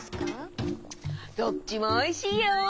どっちもおいしいよ！